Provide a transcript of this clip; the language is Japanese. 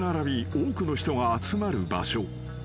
多くの人が集まる場所］